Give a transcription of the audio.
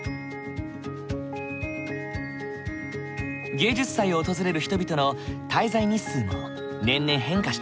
芸術祭を訪れる人々の滞在日数も年々変化している。